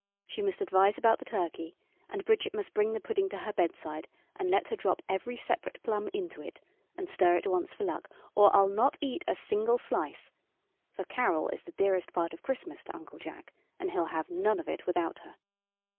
She must advise about the turkey, and Bridget must bring the pudding to her bedside and let her drop every separate plum into it and stir it once for luck, or I'll not eat a single slice for Carol is the dearest part of Christmas to Uncle Jack, and he'll have none of it without her.